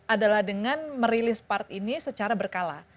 adalah dengan merilis part ini secara berkala